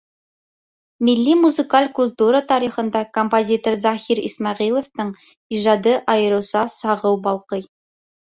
Милли музыкаль культура тарихында композитор Заһир Исмәғилевтең ижады айырыуса сағыу балҡый.